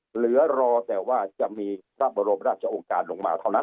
เหลือรอแต่ว่าจะมีทรัพย์บรมราชโอกาสลงมาเท่านั้นแหละ